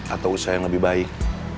atau usaha yang lebih baik